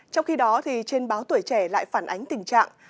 trong khi đó trên báo tuổi trẻ lại phản ánh tình trạng